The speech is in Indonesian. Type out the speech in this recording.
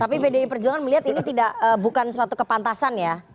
tapi pdi perjuangan melihat ini bukan suatu kepantasan ya